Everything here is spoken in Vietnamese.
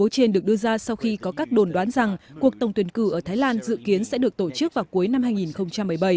cuộc tổng tuyển cử ở thái lan dự kiến sẽ được tổ chức vào cuối năm hai nghìn một mươi bảy